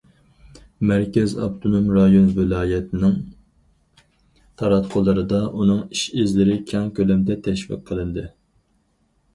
مەركەز، ئاپتونوم رايون، ۋىلايەتنىڭ تاراتقۇلىرىدا ئۇنىڭ ئىش- ئىزلىرى كەڭ كۆلەمدە تەشۋىق قىلىندى.